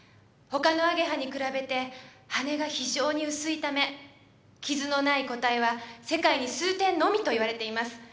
他のアゲハに比べて羽が非常に薄いため傷のない個体は世界に数点のみと言われています。